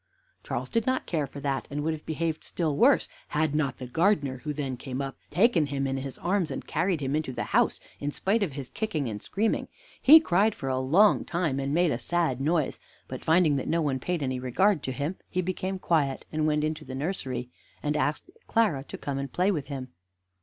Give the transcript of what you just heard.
Charles did not care for that, and would have behaved still worse, had not the gardener, who then came up, taken him in his arms, and carried him into the house, in spite of his kicking and screaming. He cried for a long time, and made a sad noise; but, finding that no one paid any regard to him, he became quiet, and went into the nursery, and asked Clara to come and play with him.